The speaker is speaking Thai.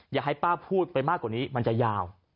อย่าให้ป้าพูดไปมากกว่านี้มันจะยาว